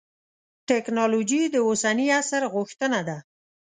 تکنالوجي د اوسني عصر غوښتنه ده.